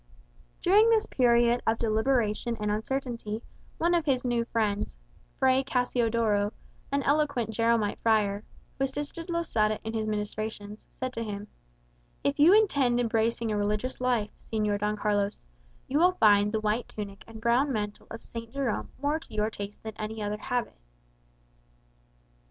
During this period of deliberation and uncertainty, one of his new friends, Fray Cassiodoro, an eloquent Jeromite friar, who assisted Losada in his ministrations, said to him, "If you intend embracing a religious life, Señor Don Carlos, you will find the white tunic and brown mantle of St. Jerome more to your taste than any other habit."